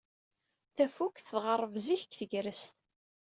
Tafukt tɣerreb zik deg tegrest.